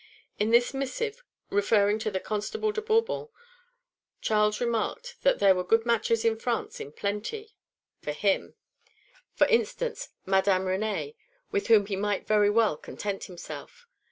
In this missive, referring to the Constable de Bourbon, Charles remarked that "there were good matches in France in plenty for him; for instance, Madame Renée, (1) with whom he might very well content himself."